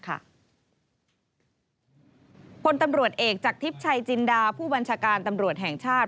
ตำรวจเอกจากทิพย์ชัยจินดาผู้บัญชาการตำรวจแห่งชาติ